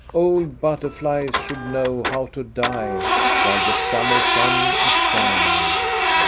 Old butterflies should know how to die while the summer sun is shining.